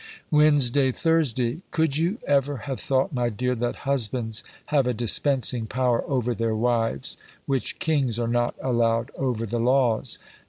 WEDNESDAY, THURSDAY. Could you ever have thought, my dear, that husbands have a dispensing power over their wives, which kings are not allowed over the laws?